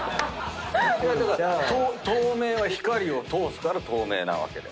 だから透明は光を通すから透明なわけであってさ。